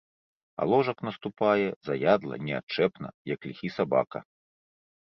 А ложак наступае, заядла, неадчэпна, як ліхі сабака.